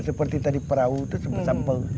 seperti tadi perahu itu sambal